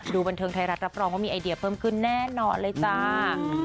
บันเทิงไทยรัฐรับรองว่ามีไอเดียเพิ่มขึ้นแน่นอนเลยจ้า